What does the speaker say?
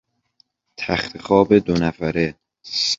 تختخواب دو نفره